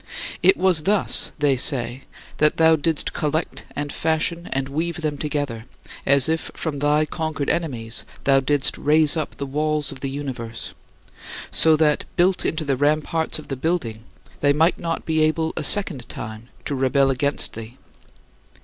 It was thus [they say] that thou didst collect and fashion and weave them together, as if from thy conquered enemies thou didst raise up the walls of the universe; so that, built into the ramparts of the building, they might not be able a second time to rebel against thee.